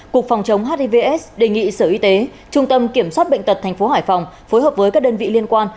cục phòng chống hivs đề nghị sở y tế trung tâm kiểm soát bệnh tật tp hải phòng phối hợp với các đơn vị liên quan